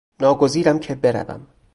ناگزیرم که بروم.